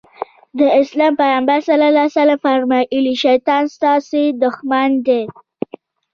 د اسلام پيغمبر ص وفرمايل شيطان ستاسې دښمن دی.